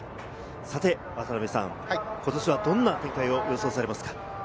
さて渡辺さん、今年はどんな展開を予想されますか？